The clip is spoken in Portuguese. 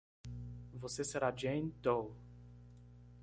Você será Jane Doe.